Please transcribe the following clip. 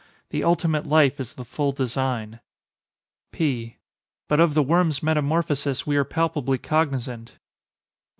The ultimate life is the full design. P. But of the worm's metamorphosis we are palpably cognizant.